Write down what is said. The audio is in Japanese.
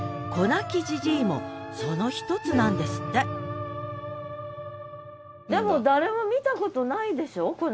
なきじじいもその一つなんですってでも誰も見たことないでしょこ